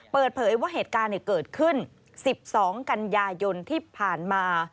เปิดเผยว่าเหตุการณ์เกิดขึ้น๑๒กันยายนที่ผ่านมา